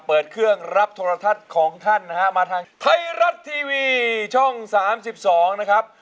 เปิดเครื่องรับโทรทัศน์ของท่านนะฮะมาทางไทยรัฐทีวีช่อง๓๒นะครับ